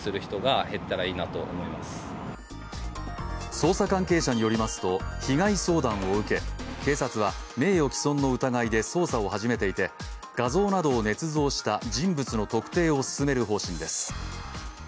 捜査関係者によりますと、被害相談を受け警察は名誉毀損の疑いで捜査を始めていて、画像などをねつ造した人物の特定を進める方針です。